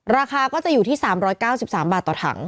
ราคาก็จะอยู่ที่๓๙๓บาทต่อถัง